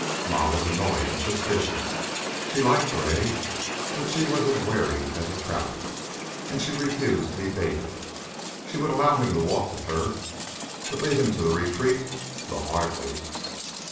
Ma was annoyed and suspicious. She liked Gray, but she was as wary as a trout and she refused to be baited. She would allow him to walk with her but lead him to the retreat? Well, hardly.